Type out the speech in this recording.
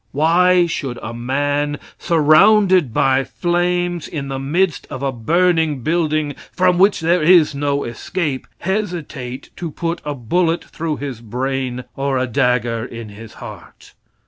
Why should a man, surrounded by flames, in the midst of a burning building, from which there is no escape, hesitate to put a bullet through his brain or a dagger in his heart?